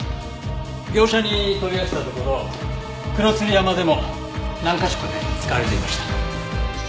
業者に問い合わせたところ黒鶴山でも何カ所かで使われていました。